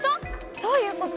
どういうこと？